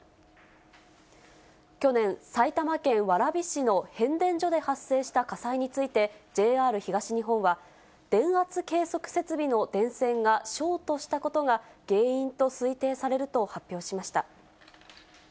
去年、埼玉県蕨市の変電所で発生した火災について、ＪＲ東日本は、電圧計測設備の電線がショートしたことが原因と推定されると発表しました。